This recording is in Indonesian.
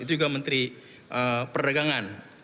itu juga menteri perdagangan